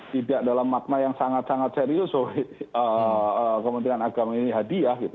tidak dalam makna yang sangat sangat serius kementerian agama ini hadiah gitu